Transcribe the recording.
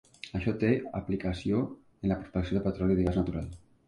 Això té aplicació en la prospecció de petroli i gas natural.